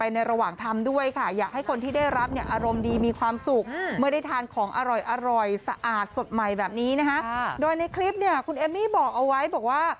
นี่บอกเอาไว้บอกว่า